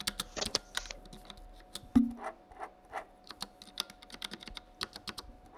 从此不再孤单